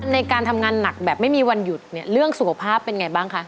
ในการทำงานหนักแบบไม่มีวันหยุดเนี่ยเรื่องสุขภาพเป็นไงบ้างคะ